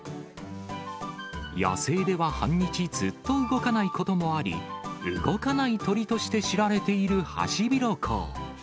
野生では半日ずっと動かないこともあり、動かない鳥として知られているハシビロコウ。